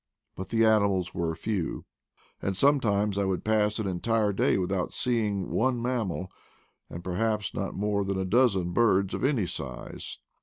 But the animals were few, and sometimes I would pass an entire day with out seeing one mammal, and perhaps not more than a dozen birds of any size.